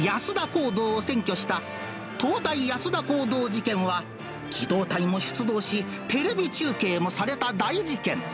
こうどうを占拠した、東大安田講堂事件は、機動隊も出動し、テレビ中継もされた大事件。